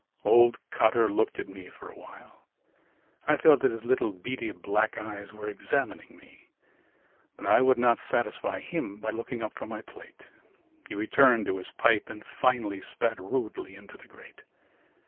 Old Cotter looked at me for a while. I felt that his little beady black eyes were examining me but I would not satisfy him by looking up from my plate. He returned to his pipe and finally spat rudely into the grate.